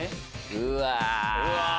うわ。